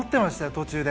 途中で。